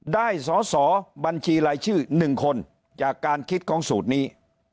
ได้สอสอบัญชีรายชื่อ๑คนจากการคิดของสูตรนี้